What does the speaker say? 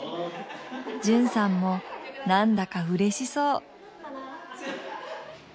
絢さんもなんだかうれしそう。